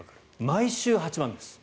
毎週８万です。